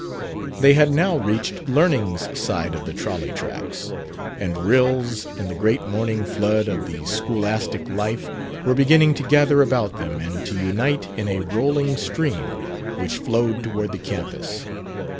They had now reached Learning's side of the trolley tracks, and rills in the great morning flood of the scholastic life were beginning to gather about them and to unite in a rolling stream which flowed toward the campus.